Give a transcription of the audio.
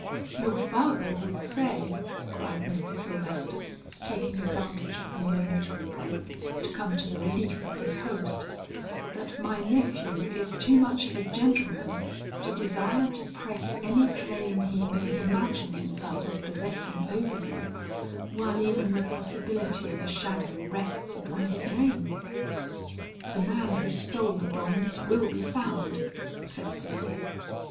"Your father would say," cried Mr. Sylvester, taking advantage of the momentary break, to come to the relief of his host, "that my nephew is too much of a gentleman to desire to press any claim he may imagine himself as possessing over you, while even the possibility of a shadow rests upon his name." "The man who stole the bonds will be found," said Cicely.